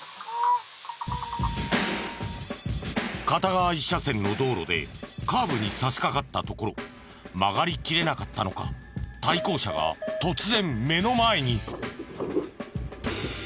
片側一車線の道路でカーブに差し掛かったところ曲がりきれなかったのか対向車が突然目の前に！